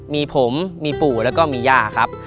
มีผมมีปู่แล้วก็มีย่าครับ